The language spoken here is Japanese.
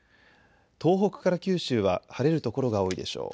東北から九州は晴れる所が多いでしょう。